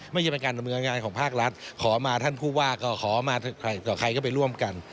จะเป็นการดำเนินงานของภาครัฐขอมาท่านผู้ว่าก็ขอมาใครต่อใครก็ไปร่วมกัน